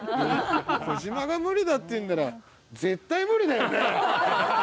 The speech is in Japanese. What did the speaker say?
小島が無理だって言うんなら絶対無理だよね。